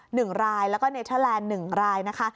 หนึ่งรายแล้วก็เนเทอร์แลนด์หนึ่งรายนะคะ